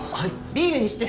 ビールにして！